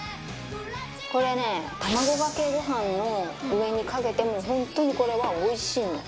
これね卵かけご飯の上にかけても本当にこれはおいしいの。